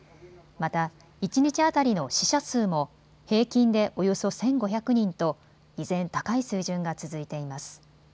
また、一日当たりの死者数も平均でおよそ１５００人と依然高い水準が続いています。